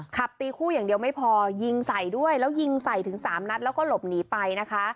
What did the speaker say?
ขับตีคู่อย่างเดียวไม่พอยิงใส่ด้วยแล้วยิงใส่ถึงสามนัดแล้วก็หลบหนีไปนะคะ